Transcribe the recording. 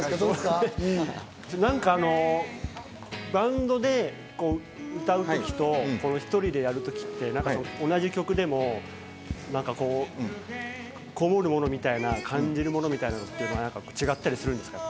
バンドで歌う時と一人でやるときって同じ曲でもなんかこう、こもるものみたいな、感じるものみたいなものって違ったりするんですか？